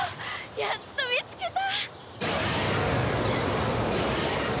やっと見つけた！